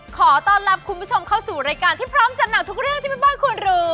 ขอต้อนรับคุณผู้ชมเข้าสู่รายการที่พร้อมจัดหนักทุกเรื่องที่แม่บ้านควรรู้